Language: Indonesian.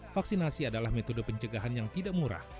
vaksinasi adalah metode pencegahan yang tidak murah